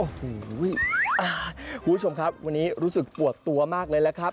คุณผู้ชมครับวันนี้รู้สึกปวดตัวมากเลยแหละครับ